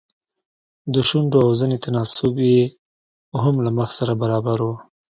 د شونډو او زنې تناسب يې هم له مخ سره برابر و.